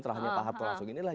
terahnya pak hato langsung ini lah